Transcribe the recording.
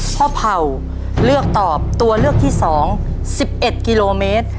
พ่อเภาเลือกตอบตัวเลือกที่สองสิบเอ็ดกิโลเมตร